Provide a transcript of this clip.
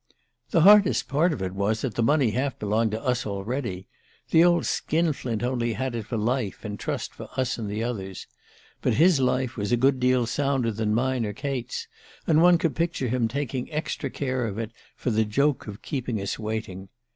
"The hardest part of it was that the money half belonged to us already. The old skin flint only had it for life, in trust for us and the others. But his life was a good deal sounder than mine or Kate's and one could picture him taking extra care of it for the joke of keeping us waiting.